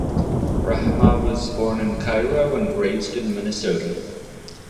Rahma was born in Cairo and raised in Minnesota.